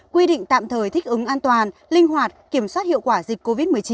quy định tạm thời thích ứng an toàn linh hoạt kiểm soát hiệu quả dịch covid một mươi chín